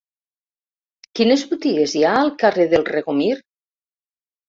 Quines botigues hi ha al carrer del Regomir?